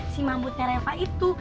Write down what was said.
si mambutnya reva itu